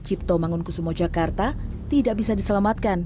cipto mangunkusumo jakarta tidak bisa diselamatkan